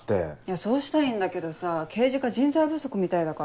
そうしたいんだけどさ刑事課人材不足みたいだから。